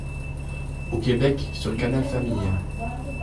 Au Québec sur Canal Famille.